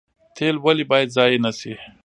تیل ولې باید ضایع نشي؟